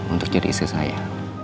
untuk jadi isi saya